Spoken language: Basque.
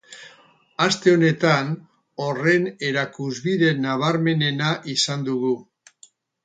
Aste honetan horren erakusbide nabarmenena izan dugu.